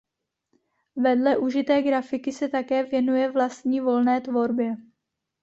Vedle užité grafiky se také věnuje vlastní volné tvorbě.